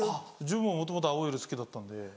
自分もともと青色好きだったんで。